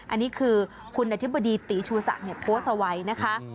อันนี้คือคุณอธิบดีตีชูศักดิ์โพสต์เอาไว้นะคะ